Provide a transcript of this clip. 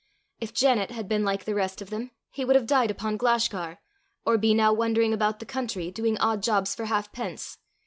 If Janet had been like the rest of them, he would have died upon Glashgar, or be now wandering about the country, doing odd jobs for half pence!